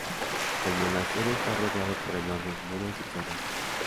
El monasterio está rodeado por enormes muros y torres.